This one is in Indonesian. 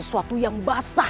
jurus itu membuatmu merah